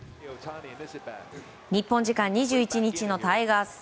日本時間２１日のタイガース戦。